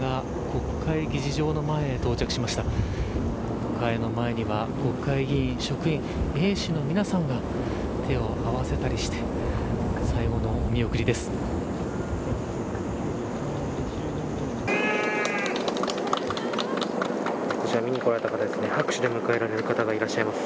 国会の前には国会議員職員衛視の皆さんが手を合わせたりして最後のお見送りです。